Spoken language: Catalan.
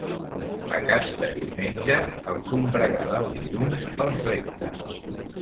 Pecats de diumenge, el combregar del dilluns els renta.